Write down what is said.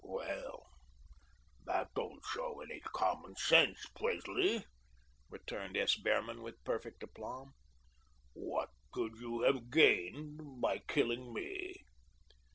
"Well, that don't show any common sense, Presley," returned S. Behrman with perfect aplomb. "What could you have gained by killing me?"